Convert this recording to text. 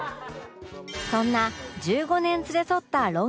そんな１５年連れ添ったロン